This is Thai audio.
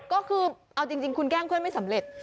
ก็คือเอาจริงคุณแกล้งเพื่อนไม่สำเร็จ